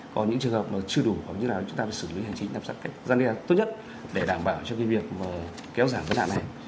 còn những trường hợp mà chưa đủ hoặc như là chúng ta phải xử lý hành trình nắm sát cách gian đeo tốt nhất để đảm bảo cho kinh nghiệm và kéo giảm tội phạm này